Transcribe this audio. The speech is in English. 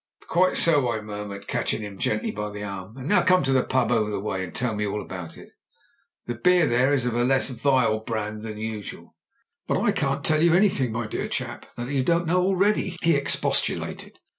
"Quite so," I murmured, catching him gently by the arm. "And now come to the pub. over the way and tell me all about it. The beer there is of a less vile brand than usual." "But I can't tell you an3rthing, my dear chap, that you don't know already!" he expostiJlftted.